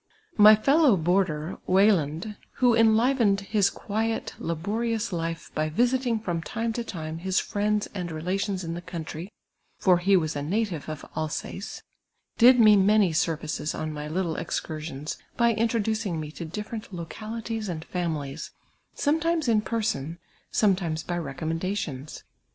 My fellow boarder, Weyland, who enlivened his quiet, labo rious life by visitinuj from time to time his friends and relations in the country (for he was a native of Alsace), did me many services on my little excursions, by introducint; me to different localities and flmiilies, sometimes in person, sometimes by re commendations.